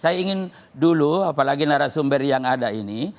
saya ingin dulu apalagi narasumber yang ada ini